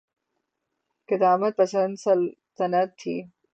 قدامت پسند سلطنت تھی۔